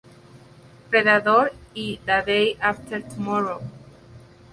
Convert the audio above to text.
Predator" y "The Day After Tomorrow".